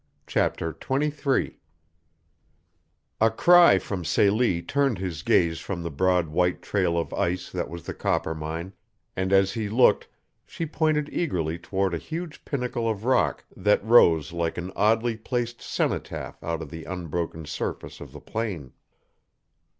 CHAPTER XXIII A cry from Celie turned his gaze from the broad white trail of ice that was the Coppermine, and as he looked she pointed eagerly toward a huge pinnacle of rock that rose like an oddly placed cenotaph out of the unbroken surface of the plain.